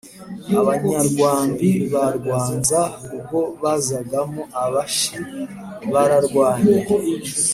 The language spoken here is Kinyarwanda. Abanyarwambi ba Rwanza ubwo hazagamo Abashi bararwanye